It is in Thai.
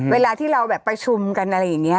เวลาที่เราแบบประชุมกันอะไรอย่างนี้